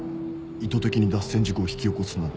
意図的に脱線事故を引き起こすなんて。